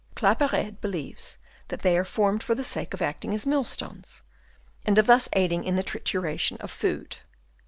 Claparede believes that they are formed for the sake of acting as mill stones, and of thus aiding in the trituration of the food.